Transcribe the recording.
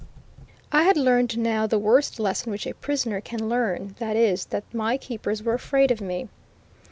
I had learned now the worst lesson which a prisoner can learn that is, that my keepers were afraid of me.